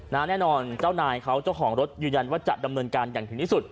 แน่นอนเจ้านายเขาเจ้าของรถยืนยันว่าจะดำเนินการอย่างถึงที่สุด